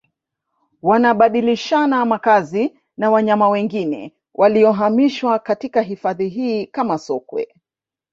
wanabadilishana makazi na wanyama wengine waliohamishiwa katika hifadhi hii kama Sokwe